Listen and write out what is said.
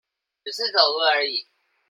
只是走路而已